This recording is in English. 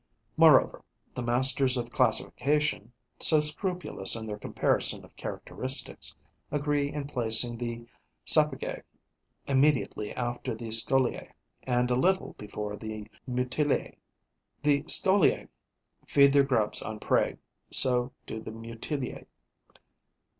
Moreover, the masters of classification, so scrupulous in their comparison of characteristics, agree in placing the Sapygae immediately after the Scoliae and a little before the Mutillae. The Scoliae feed their grubs on prey; so do the Mutillae.